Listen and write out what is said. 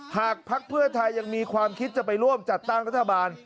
ภักดิ์เพื่อไทยยังมีความคิดจะไปร่วมจัดตั้งรัฐบาล